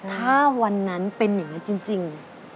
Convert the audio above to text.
ถ้าวันนั้นเป็นอย่างนั้นจริง